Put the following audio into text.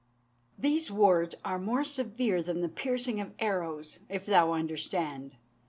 These words are more severe than the piercing of arrows, if thou understand.